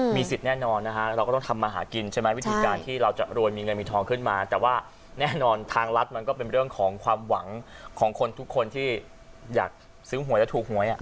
มีสิทธิ์แน่นอนนะฮะเราก็ต้องทำมาหากินใช่ไหมวิธีการที่เราจะรวยมีเงินมีทองขึ้นมาแต่ว่าแน่นอนทางรัฐมันก็เป็นเรื่องของความหวังของคนทุกคนที่อยากซื้อหวยแล้วถูกหวย